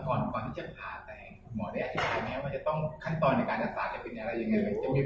ตอนก่อนที่จะผ่าไปคุณหมอได้อธิบายไหมว่าจะต้องขั้นตอนในการอัตภาพจะเป็นอะไรอย่างเงิน